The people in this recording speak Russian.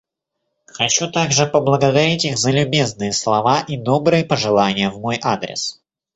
Хочу также поблагодарить их за любезные слова и добрые пожелания в мой адрес.